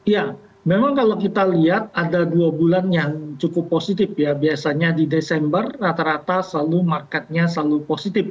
ya memang kalau kita lihat ada dua bulan yang cukup positif ya biasanya di desember rata rata selalu marketnya selalu positif